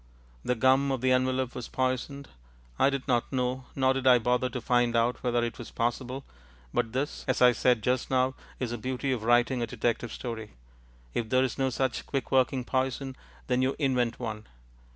The gum of the envelope was poisoned. I did not know, nor did I bother to find out, whether it was possible, but this, as I said just now, is the beauty of writing a detective story. If there is no such quick working poison, then you invent one.